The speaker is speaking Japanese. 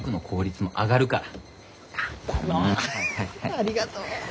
ありがとう！